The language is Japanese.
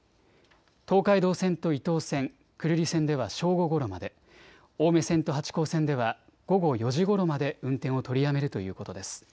東海道線と伊東線、久留里線では正午ごろまで、青梅線と八高線では午後４時ごろまで運転を取りやめるということです。